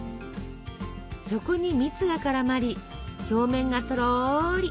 そこに蜜が絡まり表面がとろり。